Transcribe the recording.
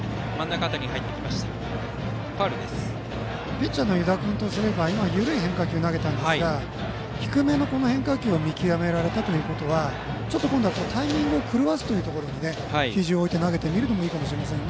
ピッチャーの湯田君は今、緩い変化球を投げたんですが低めの変化球を見極められたということは今度はタイミングを狂わすところに比重を置いて投げてみるのもいいかもしれません。